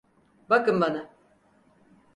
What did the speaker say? Bakın bana!